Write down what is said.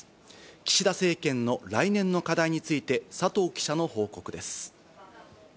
岸田政権の来年の課題について佐藤記者の報告です。